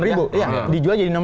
iya dijual jadi enam belas